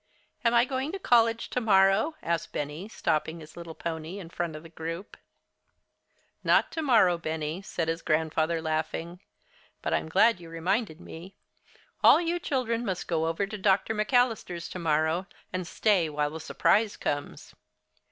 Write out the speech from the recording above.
"Am I going to college tomorrow?" asked Benny, stopping his little pony in front of the group. "Not tomorrow, Benny," said his grandfather, laughing. "But I 'm glad you reminded me. All you children must go over to Dr. McAllister's tomorrow, and stay while the surprise comes."